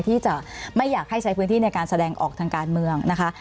ที่จะไม่อยากให้ใช้พื้นที่ในการแสดงออกทางการเมืองนะคะ